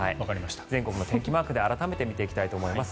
全国の天気マークで改めて見ていきたいと思います。